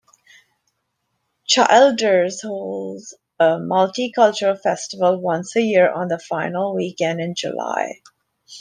Childers holds a Multicultural Festival once a year on the final weekend in July.